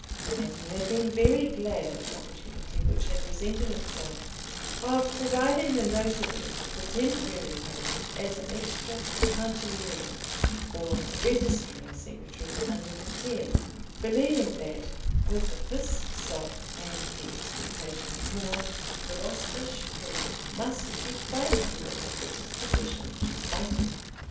And he had been very glad of an opportunity which had presented itself of providing the notary with a temporary post as an extra cancelliere or registering secretary under the Ten, believing that with this sop and the expectation of more, the waspish cur must be quite cured of the disposition to bite him.